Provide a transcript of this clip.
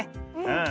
うん！